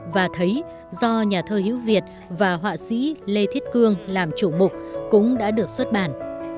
và thấy do nhà thơ hữu việt và họa sĩ lê thiết cương làm chủ mục cũng đã được xuất bản